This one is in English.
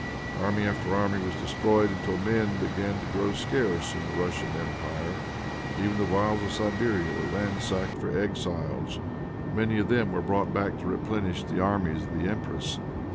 Army after army was destroyed until men began to grow scarce in the Russian empire. Even the wilds of Siberia were ransacked for exiles, and many of them were brought back to replenish the armies of the empress.